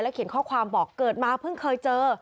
เขียนข้อความบอกเกิดมาเพิ่งเคยเจอ